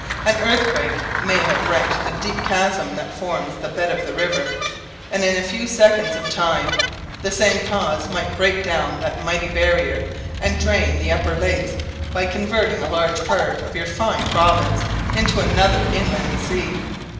An earthquake may have rent the deep chasm that forms the bed of that river, and in a few seconds of time the same cause might break down that mighty barrier, and drain the upper lakes, by converting a large part of your fine province into another inland sea.